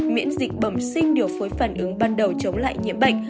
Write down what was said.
miễn dịch bẩm sinh điều phối phản ứng ban đầu chống lại nhiễm bệnh